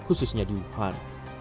khususnya di wuhan